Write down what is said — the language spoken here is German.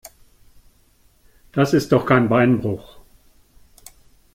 Das ist doch kein Beinbruch.